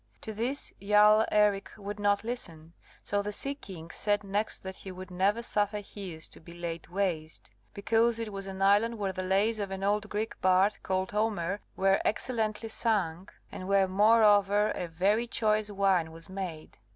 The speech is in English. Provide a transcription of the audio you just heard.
To this Jarl Eric would not listen; so the sea king said next that he would never suffer Chios to be laid waste, because it was an island where the lays of an old Greek bard, called Homer, were excellently sung, and where more over a very choice wine was made.